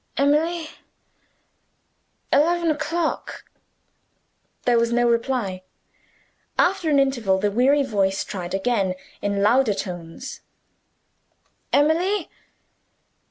"Emily! eleven o'clock." There was no reply. After an interval the weary voice tried again, in louder tones: "Emily!"